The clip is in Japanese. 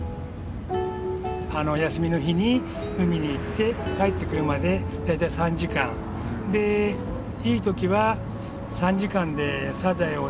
休みの日に海に行って帰ってくるまで大体３時間。でいい時は３時間でサザエを大体５００個。